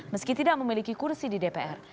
meski tidak memiliki kursi di dpr